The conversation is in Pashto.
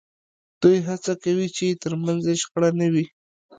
دوی هڅه کوي چې ترمنځ یې شخړه نه وي